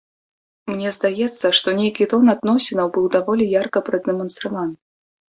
Мне здаецца, што нейкі тон адносінаў быў даволі ярка прадэманстраваны.